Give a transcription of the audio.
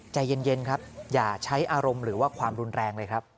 ใจเย็นครับอย่าใช้อารมณ์หรือว่าความรุนแรงเลยครับ